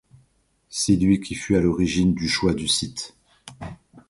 C'est lui qui fut à l'origine du choix du site.